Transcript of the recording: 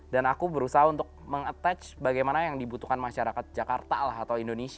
dan aku berusaha untuk mengattach bagaimana yang dibutuhkan masyarakat jakarta lah atau indonesia